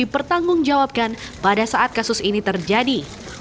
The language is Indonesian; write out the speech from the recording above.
pengung jawabkan pada saat kasus ini terjadi